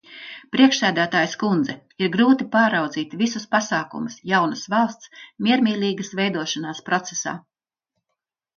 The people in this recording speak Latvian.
Priekšsēdētājas kundze, ir grūti pārraudzīt visus pasākumus jaunas valsts miermīlīgas veidošanās procesā.